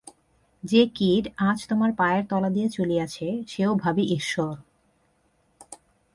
যে-কীট আজ তোমার পায়ের তলা দিয়া চলিয়াছে, সেও ভাবী ঈশ্বর।